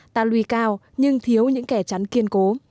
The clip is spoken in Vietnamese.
ta lùi cao nhưng thiếu những kẻ chắn kiên cố